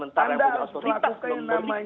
anda harus melakukan yang namanya